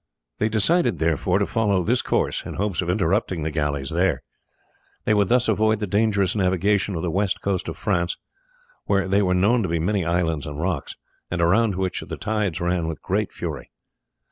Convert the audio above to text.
They decided, therefore, to follow this course in hopes of interrupting the galleys there; they would thus avoid the dangerous navigation of the west coast of France, where there were known to be many islands and rocks, around which the tides ran with great fury.